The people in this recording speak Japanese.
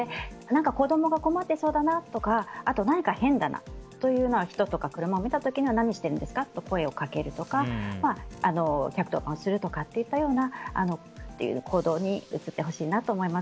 子供が困っていそうだなとか何か変だなという人や車を見た時には何してるんですかと声をかけるとか１１０番するとかという行動に移ってほしいなと思います。